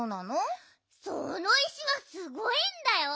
その石はすごいんだよ！